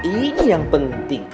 ini yang penting